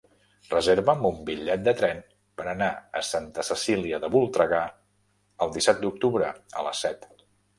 Reserva'm un bitllet de tren per anar a Santa Cecília de Voltregà el disset d'octubre a les set.